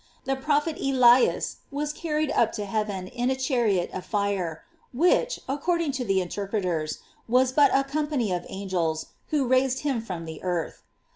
The proph et ISlias was carried up to heaven in a chariot of fire, which, according to the interpreters, was but a company of angels who raised him from the earth.